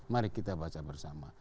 mari kita baca bersama